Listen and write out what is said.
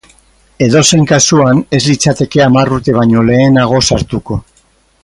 Edozein kasuan, ez litzateke hamar urte baino lehenago sartuko.